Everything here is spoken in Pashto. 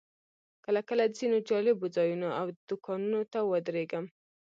کله کله ځینو جالبو ځایونو او دوکانونو ته ودرېږم.